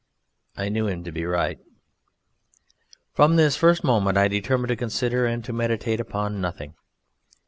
I knew him to be right. From this first moment I determined to consider and to meditate upon Nothing.